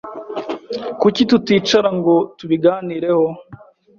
Kuki tuticara ngo tubiganireho?